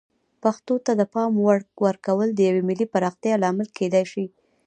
پښتو ته د پام ورکول د یوې ملي پراختیا لامل کیدای شي.